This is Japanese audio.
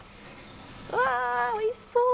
うわおいしそう！